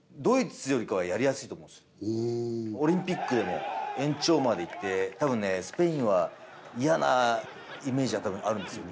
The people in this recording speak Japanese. オリンピックでも延長までいってたぶんスペインは嫌なイメージはあるんですよ